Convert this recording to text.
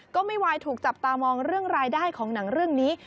ก็ไม่วายถูกจับตามองเรื่องรายได้ของหนังเรื่องนี้